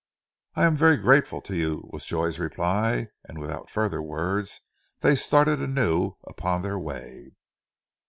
"I am very grateful to you," was Joy's reply, and without further words they started anew upon their way.